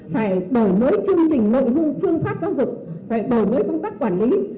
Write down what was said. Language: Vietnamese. phải đổi mới chương trình nội dung phương pháp giáo dục phải đổi mới công tác quản lý